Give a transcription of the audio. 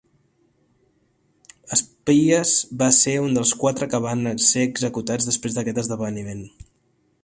Spies va ser un dels quatre que van ser executats després d'aquest esdeveniment.